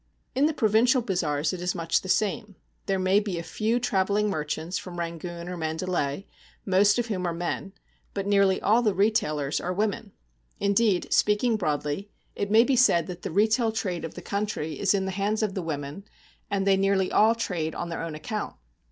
In the provincial bazaars it is much the same. There may be a few travelling merchants from Rangoon or Mandalay, most of whom are men; but nearly all the retailers are women. Indeed, speaking broadly, it may be said that the retail trade of the country is in the hands of the women, and they nearly all trade on their own account.